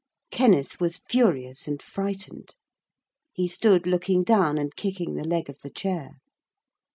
Kenneth was furious and frightened. He stood looking down and kicking the leg of the chair.